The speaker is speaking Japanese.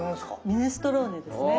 ミネストローネですね。